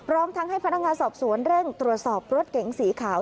พร้อมทั้งให้พนักงานสอบสวนเร่งตรวจสอบรถเก๋งสีขาว